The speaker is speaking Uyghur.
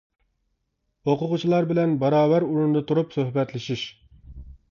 ئوقۇغۇچىلار بىلەن باراۋەر ئورۇندا تۇرۇپ سۆھبەتلىشىش.